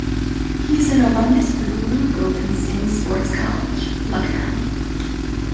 He is an alumnus of the Guru Gobind Singh Sports College, Lucknow.